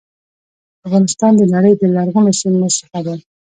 افغانستان د نړی د لرغونو سیمو څخه دی.